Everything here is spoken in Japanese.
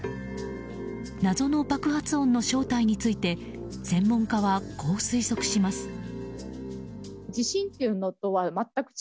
謎の爆発音の正体について専門家はこう推測します。